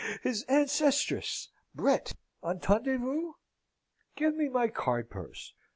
his ancestress! Brett! entendez vous? Give me my card purse.